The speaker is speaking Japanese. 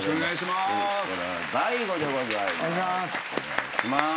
大悟でございます。